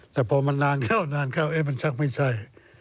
แต่พอมันนานหรอนานเก้าเจ้ามันจังไม่ใช่